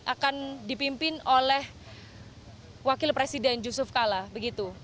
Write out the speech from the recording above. akan dipimpin oleh wakil presiden yusuf kala begitu